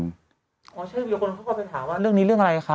เช่นเดียวคนเขาก็ไปถามว่าเรื่องนี้เรื่องอะไรคะ